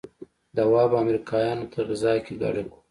دوا به امريکايانو ته غذا کې ګډه کو.